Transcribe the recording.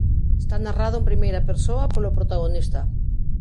Está narrado en primeira persoa polo protagonista.